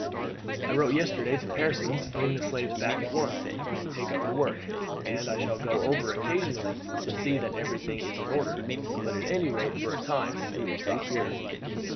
I wrote yesterday to Pearson to bring the slaves back at once and take up the work, and I shall go over occasionally to see that everything is in order; but at any rate for a time we will stop here."